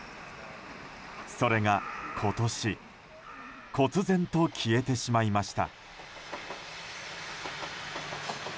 それが今年こつぜんと消えてしまいました。